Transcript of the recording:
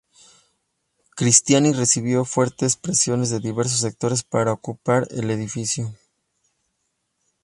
Cristiani recibió fuertes presiones de diversos sectores para ocupar el edificio.